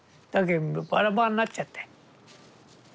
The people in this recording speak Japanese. だけどバラバラになっちゃって。